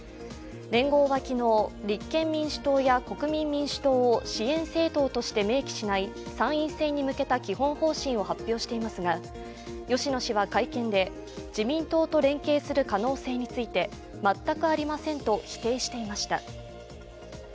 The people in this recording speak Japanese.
連合は昨日、立憲民主党や国民民主党を支援政党として明記しない参院選に向けた基本方針を発表していますが、芳野氏は会見で、自民党と連携する可能性について全くありませんと否定していました。